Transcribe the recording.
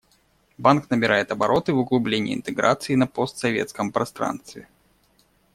Банк набирает обороты в углублении интеграции на постсоветском пространстве.